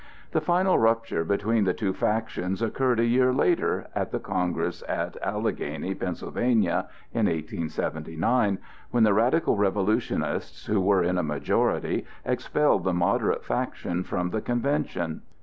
The final rupture between the two factions occurred a year later, at the congress at Alleghany, Pa., in 1879, when the radical revolutionists, who were in a majority, expelled the moderate faction from the convention.